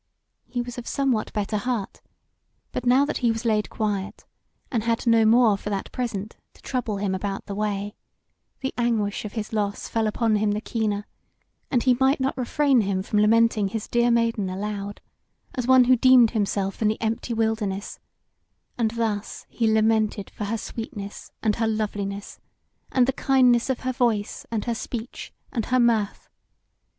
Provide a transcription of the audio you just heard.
He was of somewhat better heart: but now that he was laid quiet, and had no more for that present to trouble him about the way, the anguish of his loss fell upon him the keener, and he might not refrain him from lamenting his dear Maiden aloud, as one who deemed himself in the empty wilderness: and thus he lamented for her sweetness and her loveliness, and the kindness of her voice and her speech, and her mirth.